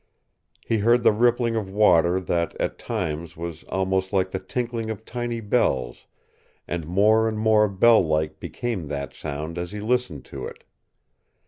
He heard the rippling of water that at times was almost like the tinkling of tiny bells, and more and more bell like became that sound as he listened to it.